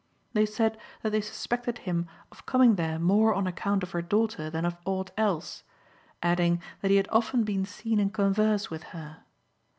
They said that they suspected him of coming there more on account of her daughter than of aught else, adding that he had often been seen in converse with her.